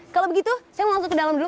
kalau begitu saya langsung ke dalam dulu